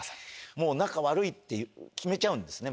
もう仲悪いって決めちゃうんですね